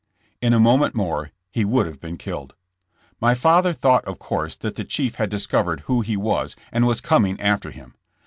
In a moment more he would have been killed. My father thought of course that the chief had discovered who he was, and was coming after him.